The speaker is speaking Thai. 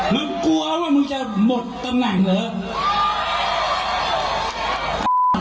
มึงกลัวว่ามึงจะหมดตำแหน่งเหรอ